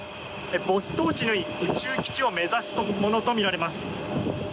ボストーチヌイ宇宙基地を目指すものとみられます。